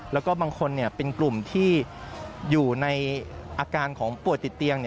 แล้วก็บางคนเป็นกลุ่มที่อยู่ในอาการของป่วยติดเตียง